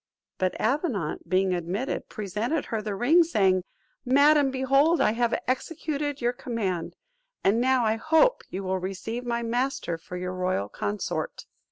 But Avenant being admitted, presented her the ring, saying, "Madam, behold I have executed your command; and now, I hope, you will receive my master for your royal consort."